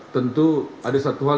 tentu ada satu hal